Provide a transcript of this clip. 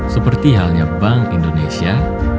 seperti halnya bank indonesia